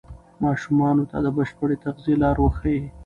ماشومانو ته د بشپړې تغذیې لارې وښایئ.